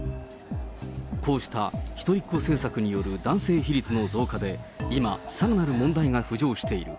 こうした一人っ子政策によって今、男性比率の増加で今、さらなる問題が浮上している。